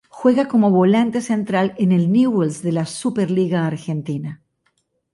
Juega como volante central en Newell's de la Superliga Argentina.